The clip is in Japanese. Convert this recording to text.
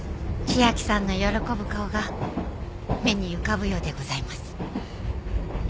千明さんの喜ぶ顔が目に浮かぶようでございます。